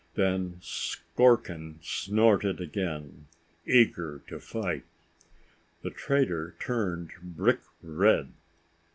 Then Skorkin snorted again, eager to fight. The trader turned brick red.